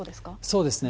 そうですね。